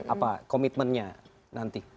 apa komitmennya nanti